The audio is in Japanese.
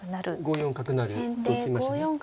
５四角成と進みましたね。